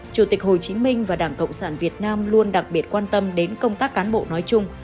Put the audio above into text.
chủ tịch hồ chí minh và đảng cộng sản việt nam luôn đặc biệt quan tâm đến công tác cán bộ nói chung